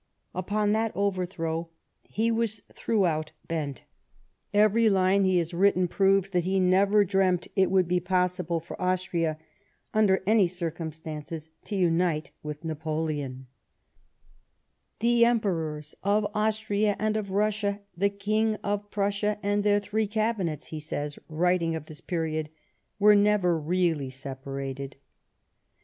Upon that overthrow he was throughout bent. Every line he h.is written proves that he never dreamt it would be possible for Austria, under any circumstances, to unite with Napoleon. "The Emperors of Austria and of Russia, the King of Prussia, and their three cabinets," he says, \writing of this period, " were never really separated." a 82 LIFE OF PBINCE METTEBNICE.